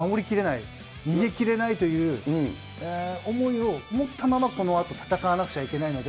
終盤、守りきれない、逃げきれないという思いを持ったまま、このあと戦わなくちゃいけないので。